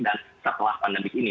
dan setelah pandemik ini